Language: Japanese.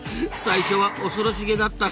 最初は恐ろしげだった